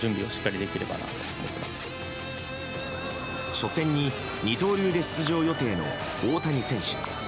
初戦に二刀流で出場予定の大谷選手。